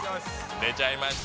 出ちゃいました。